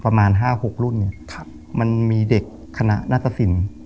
ประมาณ๕๖รุ่นเนี่ยมันมีเด็กคณะนัตตสิน